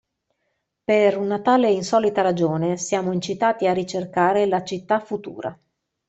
Per una tale insolita ragione siamo incitati a ricercare la Città futura.